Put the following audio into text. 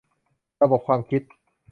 ระบบความคิด